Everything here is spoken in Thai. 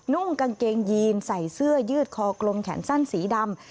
นุ่งกางเกงยีนใส่เสื้อยืดคอกลมแขนสั้นสีดำ